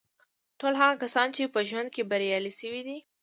ټول هغه کسان چې په ژوند کې بریالي شوي دي